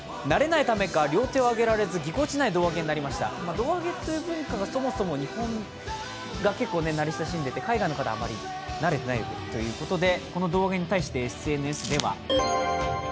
胴上げという文化がそもそも日本が結構慣れ親しんでいて海外の方はあまり慣れていないということです。